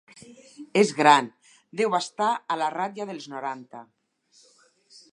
És gran: deu estar a la ratlla dels noranta.